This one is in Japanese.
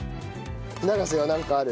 永瀬はなんかある？